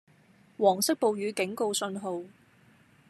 黃色暴雨警告信號